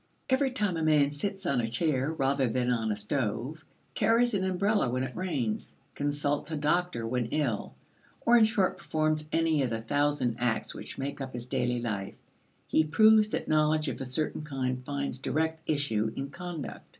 Every time a man sits on a chair rather than on a stove, carries an umbrella when it rains, consults a doctor when ill or in short performs any of the thousand acts which make up his daily life, he proves that knowledge of a certain kind finds direct issue in conduct.